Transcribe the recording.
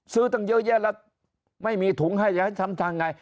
ซื้อตั้งเยอะแยะแล้วไม่มีถุงให้จะให้ทำทางไง